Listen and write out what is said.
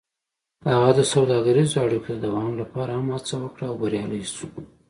هغه د سوداګریزو اړیکو د دوام لپاره هم هڅه وکړه او بریالی شو.